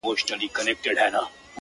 بوتله جار دي سم _ چي پشکال دي وکړ _